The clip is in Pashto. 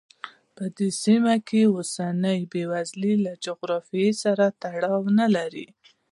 په دې سیمه کې اوسنۍ بېوزلي له جغرافیې سره تړاو نه لري.